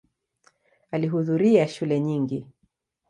Alihudhuria shule nyingi.